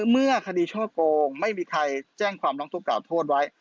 เมื่อคดีช่อโกงไม่มีใครแจ้งความร้องทุกกล่าวโทษไว้